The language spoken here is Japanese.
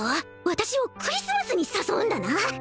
私をクリスマスに誘うんだな！